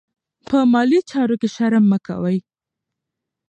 په مالي چارو کې شرم مه کوئ.